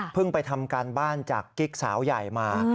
ไปทำการบ้านจากกิ๊กสาวใหญ่มา